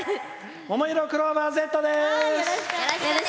ももいろクローバーＺです。